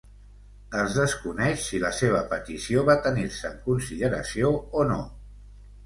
Es desconeix si la seva petició va tenir-se en consideració o no.